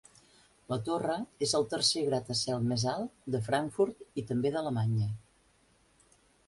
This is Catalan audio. La torre és el tercer gratacel més alt de Frankfurt i també d'Alemanya.